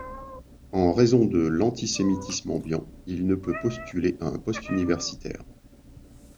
En raison de l'antisémitisme ambiant, il ne peut postuler à un poste universitaire.